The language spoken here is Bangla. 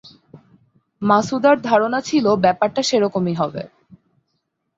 মাছুদার ধারণা ছিলো ব্যাপারটা সেরকমই হবে।